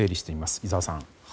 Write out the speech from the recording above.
井澤さん。